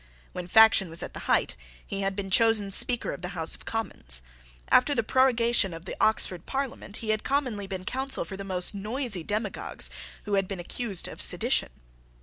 When faction was at the height, he had been chosen Speaker of the House of Commons. After the prorogation of the Oxford Parliament he had commonly been counsel for the most noisy demagogues who had been accused of sedition.